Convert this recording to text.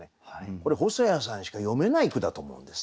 これ細谷さんしか詠めない句だと思うんですよね。